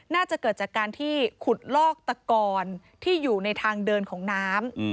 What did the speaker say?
น่าจะเกิดจากการที่ขุดลอกตะกอนที่อยู่ในทางเดินของน้ำ